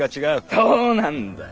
そうなんだよ。